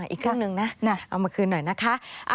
อีกครึ่งหนึ่งนะเอามาคืนหน่อยนะคะ